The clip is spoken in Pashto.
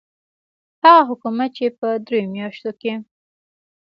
هغه حکومت چې په دریو میاشتو کې.